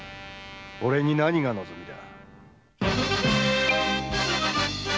俺に何が望みだ？